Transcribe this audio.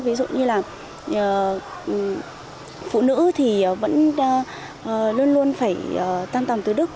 ví dụ như là phụ nữ vẫn luôn luôn phải tan tàm tư đức